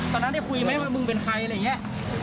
ตอนนั้นได้คุยไหมว่ามึงเป็นใครอะไรอย่างนี้